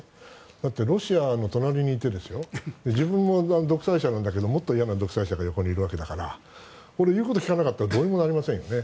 だって、ロシアの隣にいて自分も独裁者なんだけどもっと嫌な独裁者が横にいるわけだからこれ、言うこと聞かなかったらどうにもなりませんよね。